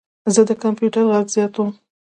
زه د کمپیوټر غږ زیاتوم.